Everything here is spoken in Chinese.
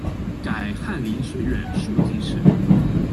改翰林院庶吉士。